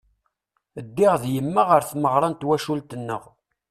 Ddiɣ d yemma ɣer tmeɣra n twacult-nneɣ.